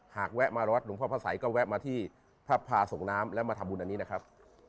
แวะมาวัดหลวงพ่อพระสัยก็แวะมาที่พระพาส่งน้ำและมาทำบุญอันนี้นะครับ